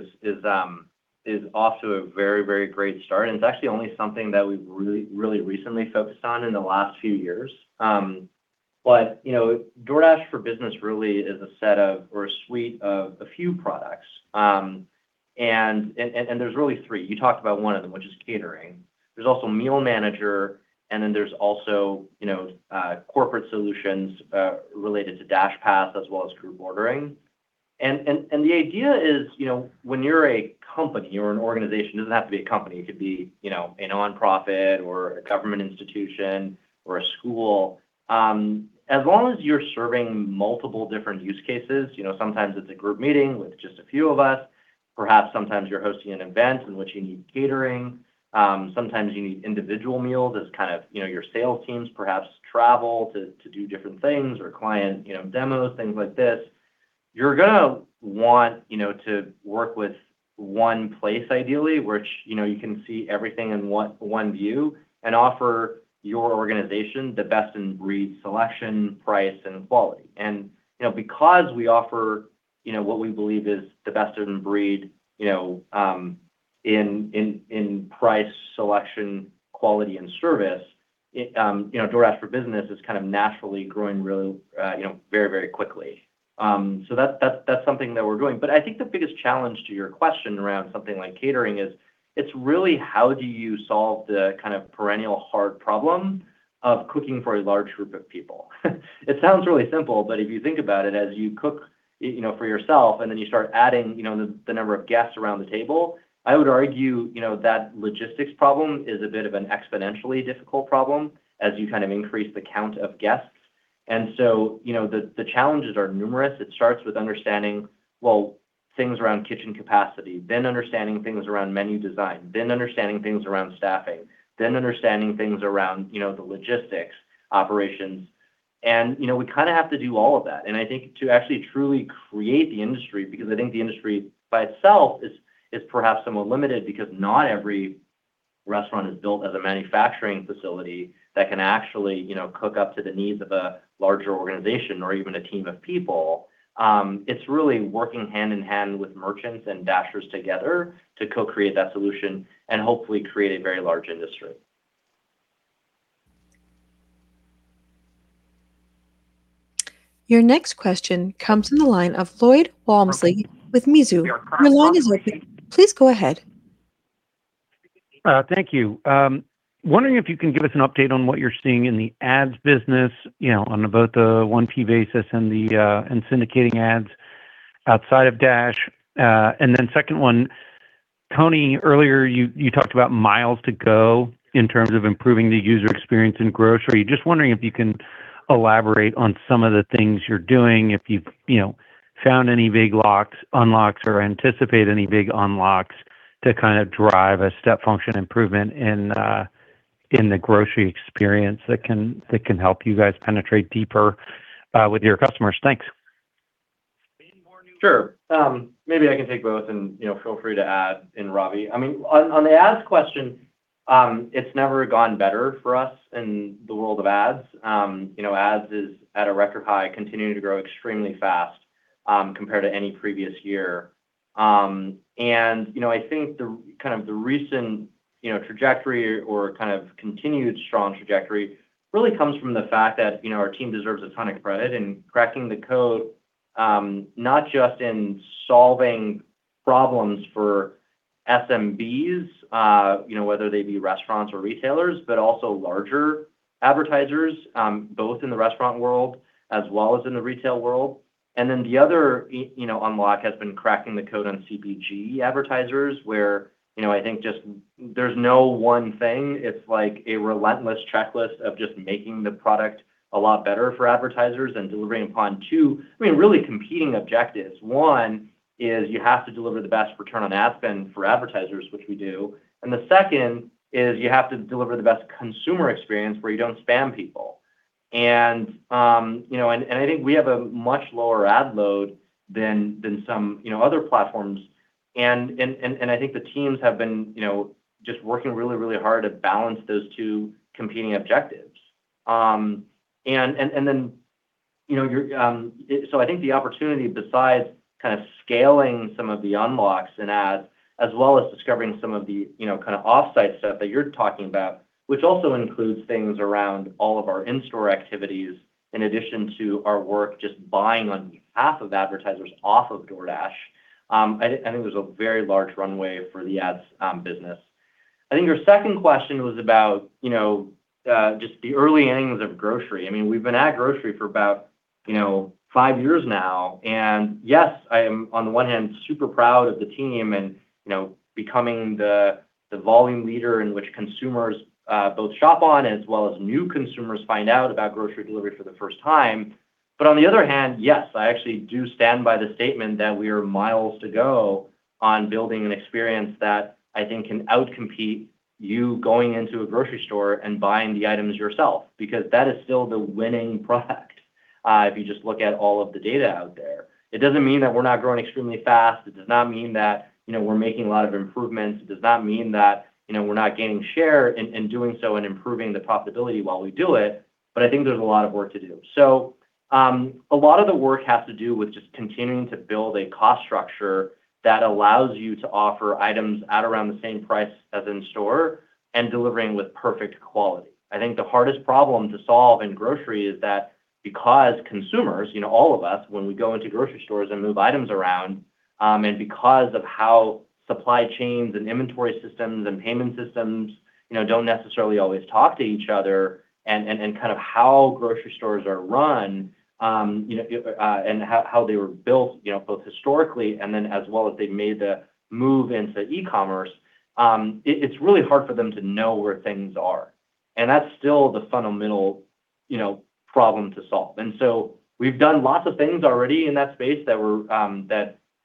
is off to a very great start, and it's actually only something that we've really recently focused on in the last few years. You know, DoorDash for Business really is a set of or a suite of a few products. There's really three. You talked about one of them, which is catering. There's also Meal Manager, and then there's also, you know, corporate solutions related to DashPass as well as group ordering. The idea is, you know, when you're a company or an organization, it doesn't have to be a company, it could be, you know, a nonprofit or a government institution or a school. As long as you're serving multiple different use cases, you know, sometimes it's a group meeting with just a few of us. Perhaps sometimes you're hosting an event in which you need catering. Sometimes you need individual meals as kind of, you know, your sales teams perhaps travel to do different things or client, you know, demos, things like this. You're going to want, you know, to work with one place ideally, which, you know, you can see everything in one view and offer your organization the best in breed selection, price, and quality. You know, because we offer, you know, what we believe is the best in breed, you know, in price, selection, quality, and service, it, you know, DoorDash for Business is kind of naturally growing really, you know, very quickly. That, that's something that we're doing. I think the biggest challenge to your question around something like catering is, it's really how do you solve the kind of perennial hard problem of cooking for a large group of people? It sounds really simple, but if you think about it, as you cook, you know, for yourself, and then you start adding, you know, the number of guests around the table, I would argue, you know, that logistics problem is a bit of an exponentially difficult problem as you kind of increase the count of guests. You know, the challenges are numerous. It starts with understanding, well, things around kitchen capacity, then understanding things around menu design, then understanding things around staffing, then understanding things around, you know, the logistics, operations. You know, we kind of have to do all of that. I think to actually truly create the industry, because I think the industry by itself is perhaps somewhat limited because not every restaurant is built as a manufacturing facility that can actually, you know, cook up to the needs of a larger organization or even a team of people. It's really working hand in hand with merchants and dashers together to co-create that solution and hopefully create a very large industry. Your next question comes from the line of Lloyd Walmsley with Mizuho. Your line is open. Please go ahead. Thank you. Wondering if you can give us an update on what you're seeing in the ads business, you know, on both the 1P basis and syndicating ads outside of DoorDash. Second one, Tony, earlier you talked about miles to go in terms of improving the user experience in grocery. Just wondering if you can elaborate on some of the things you're doing, if you've, you know, found any big locks, unlocks, or anticipate any big unlocks to kind of drive a step function improvement in the grocery experience that can help you guys penetrate deeper with your customers. Thanks. Sure. Maybe I can take both and, you know, feel free to add in, Ravi. I mean, on the ads question, it's never gone better for us in the world of ads. You know, ads is at a record high, continuing to grow extremely fast, compared to any previous year. I think the kind of the recent, you know, trajectory or kind of continued strong trajectory really comes from the fact that, you know, our team deserves a ton of credit in cracking the code, not just in solving problems for SMBs, you know, whether they be restaurants or retailers, but also larger advertisers, both in the restaurant world as well as in the retail world. The other, you know, unlock has been cracking the code on CPG advertisers where, you know, I think just there's no one thing. It's like a relentless checklist of just making the product a lot better for advertisers and delivering upon two, I mean, really competing objectives. One, Is you have to deliver the best return on ad spend for advertisers, which we do, and the second is you have to deliver the best consumer experience where you don't spam people. You know, I think we have a much lower ad load than some, you know, other platforms. I think the teams have been, you know, just working really, really hard to balance those two competing objectives. you know, you're I think the opportunity besides kind of scaling some of the unlocks in ads, as well as discovering some of the, you know, kind of offsite stuff that you're talking about, which also includes things around all of our in-store activities, in addition to our work just buying on behalf of advertisers off of DoorDash, I think there's a very large runway for the ads business. I think your second question was about, you know, just the early innings of grocery. I mean, we've been at grocery for about, you know, five years now, yes, I am on the one hand super proud of the team and, you know, becoming the volume leader in which consumers, both shop on as well as new consumers find out about grocery delivery for the first time. On the other hand, yes, I actually do stand by the statement that we are miles to go on building an experience that I think can out-compete you going into a grocery store and buying the items yourself, because that is still the winning product, if you just look at all of the data out there. It doesn't mean that we're not growing extremely fast. It does not mean that, you know, we're making a lot of improvements. It does not mean that, you know, we're not gaining share and doing so and improving the profitability while we do it, but I think there's a lot of work to do. A lot of the work has to do with just continuing to build a cost structure that allows you to offer items at around the same price as in store and delivering with perfect quality. I think the hardest problem to solve in grocery is that because consumers, you know, all of us, when we go into grocery stores and move items around, and because of how supply chains and inventory systems and payment systems, you know, don't necessarily always talk to each other and kind of how grocery stores are run, you know, and how they were built, you know, both historically and then as well as they made the move into e-commerce, it's really hard for them to know where things are, and that's still the fundamental, you know, problem to solve. We've done lots of things already in that space that we're,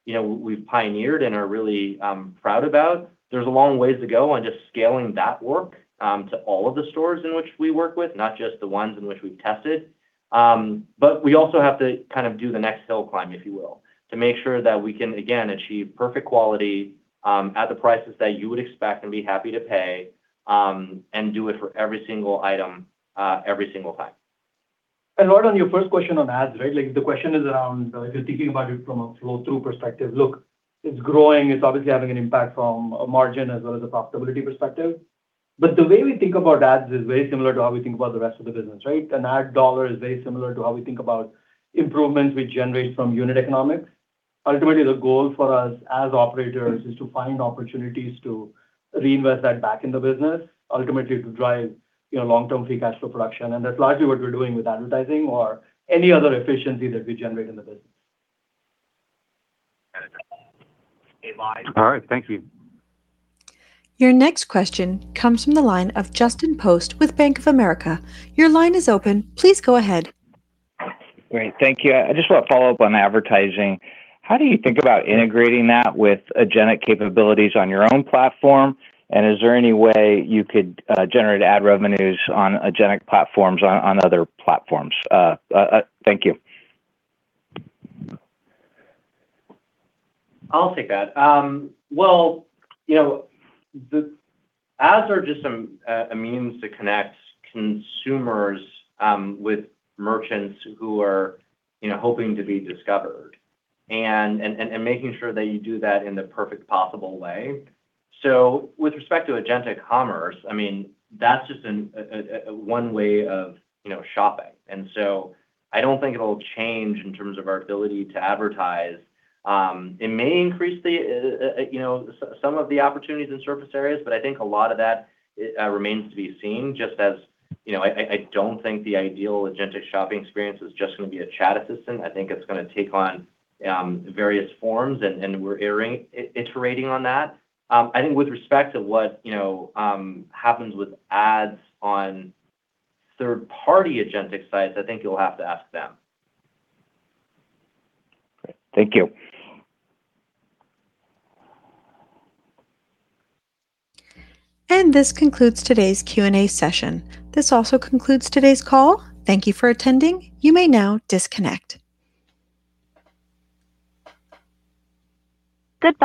you know, we've pioneered and are really proud about. There's a long ways to go on just scaling that work, to all of the stores in which we work with, not just the ones in which we've tested. We also have to kind of do the next hill climb, if you will, to make sure that we can again achieve perfect quality, at the prices that you would expect and be happy to pay, and do it for every single item, every single time. Lloyd Walmsley, on your first question on ads, right? Like the question is around, if you're thinking about it from a flow through perspective, look, it's growing, it's obviously having an impact from a margin as well as a profitability perspective. The way we think about ads is very similar to how we think about the rest of the business, right? An ad dollar is very similar to how we think about improvements we generate from unit economics. Ultimately, the goal for us as operators is to find opportunities to reinvest that back in the business, ultimately to drive, you know, long-term free cash flow production. That's largely what we're doing with advertising or any other efficiency that we generate in the business. All right. Thank you. Your next question comes from the line of Justin Post with Bank of America. Your line is open. Please go ahead. Great. Thank you. I just want to follow up on advertising. How do you think about integrating that with agentic capabilities on your own platform? Is there any way you could generate ad revenues on agentic platforms on other platforms? Thank you. I'll take that. Well, you know, the ads are just a means to connect consumers with merchants who are, you know, hoping to be discovered and making sure that you do that in the perfect possible way. With respect to agentic commerce, I mean, that's just a one way of, you know, shopping. I don't think it'll change in terms of our ability to advertise. It may increase the, you know, some of the opportunities in surface areas, but I think a lot of that remains to be seen, just as, you know, I don't think the ideal agentic shopping experience is just gonna be a chat assistant. I think it's gonna take on various forms and we're iterating on that. I think with respect to what, you know, happens with ads on third-party agentic sites, I think you'll have to ask them. Great. Thank you. This concludes today's Q&A session. This also concludes today's call. Thank you for attending. You may now disconnect.